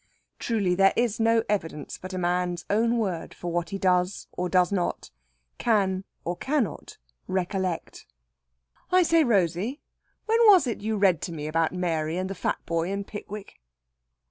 Truly, there is no evidence but a man's own word for what he does or does not, can or cannot, recollect. "I say, Rosey, when was it you read to me about Mary and the fat boy in 'Pickwick'?"